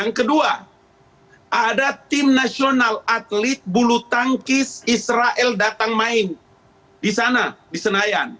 yang kedua ada tim nasional atlet bulu tangkis israel datang main di sana di senayan